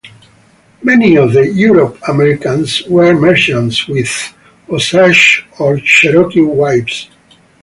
Many of the Euro-Americans were merchants with Osage or Cherokee wives.